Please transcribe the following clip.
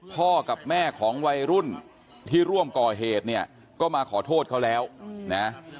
พ่อกับแม่ของวัยรุ่นที่ร่วมก่อเหตุเนี่ยก็มาขอโทษเขาแล้วนะ